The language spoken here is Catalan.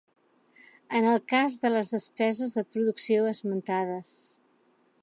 En el cas de les despeses de producció esmentades.